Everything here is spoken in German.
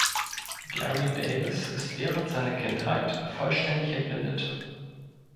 Gary Davis ist während seiner Kindheit vollständig erblindet.